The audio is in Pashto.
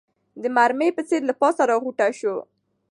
د مرمۍ په څېر له پاسه راغوټه سو